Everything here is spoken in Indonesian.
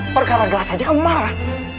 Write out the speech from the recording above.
perkara gelas aja kamu marah